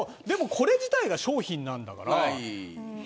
でもこれ自体が商品なんだから。